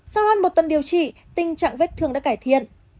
sau hơn một tuần điều trị tình trạng vết thương đã cải thiện